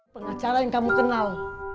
pengacara yang kamu kenal